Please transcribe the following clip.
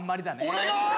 俺が？